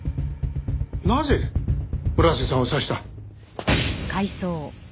なぜ村瀬さんを刺した？